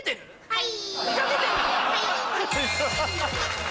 はい。